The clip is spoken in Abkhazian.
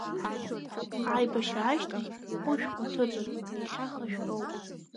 Аибашьра ашьҭахь хәышә шәҟәы ҭыҵуан, иахьа хышә роуп.